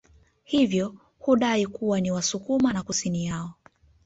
Hivyo hudai kuwa ni wasukuma na kusini yao